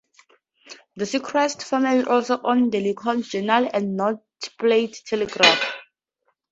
The Seacrest family also owned the "Lincoln Journal" and "North Platte Telegraph".